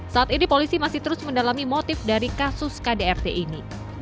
saat ini polisi masih terus mendalami motif dari kasus kdrt ini